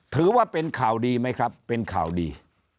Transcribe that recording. ถือว่าเป็นข่าวดีไหมครับเป็นข่าวดี